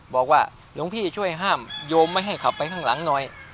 บอกว่าหลวงพี่ช่วยห้ามโยมไม่ให้ขับไปข้างหลังหน่อย